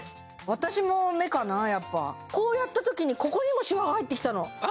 私も目かなやっぱこうやったときにここにもしわが入ってきたのあ！